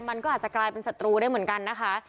มันก็อะไรเป็นศัตรูได้เหมือนกันนะคะ